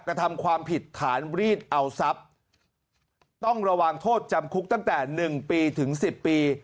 กระทำความผิดฐานรีดเอาทรัพย์ต้องระวังโทษจำคุกตั้งแต่๑ปีถึงสิบปี